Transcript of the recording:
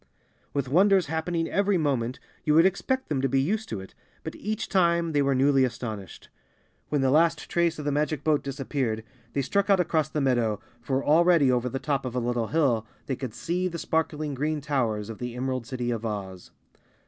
With wonders happening every moment, you would expect them to be used to it, but each time they were newly astonished. When the last trace of the magic boat disappeared, they struck out across the meadow, for already over the top of a little hill they could see the sparkling green towers of the Emerald City of Oz.